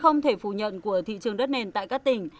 không thể phủ nhận của thị trường đất nền tại các tỉnh